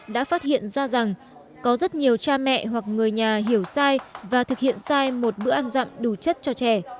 đã phát hiện ra rằng có rất nhiều cha mẹ hoặc người nhà hiểu sai và thực hiện sai một bữa ăn dặm đủ chất cho trẻ